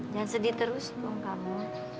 jangan sedih terus doang kamu